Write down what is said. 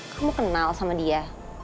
kamu kenal sama dia